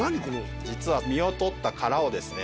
実は身を取った殻をですね